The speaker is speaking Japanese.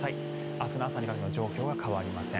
明日の朝にかけても状況は変わりません。